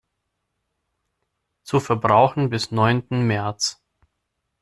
Zu verbrauchen bis neunten März.